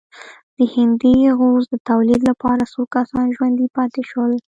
د هندي غوز د تولید لپاره څو کسان ژوندي پاتې شول.